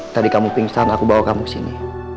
tadi kamu pingsan aku bawa kamu kesini